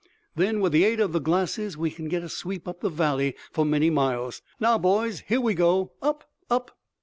"Then with the aid of the glasses we can get a sweep up the valley for many miles. Now boys, here we go! up! up!"